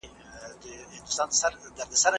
چايي د زهشوم له خوا څښل کيږي!؟